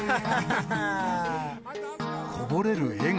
こぼれる笑顔。